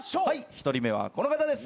１人目はこの方です。